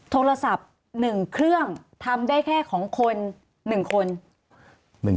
โทรศัพท์๑เครื่องทำได้แค่ของคน๑คน